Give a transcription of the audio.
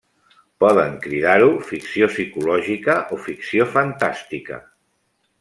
Poden cridar-ho ficció psicològica o ficció fantàstica.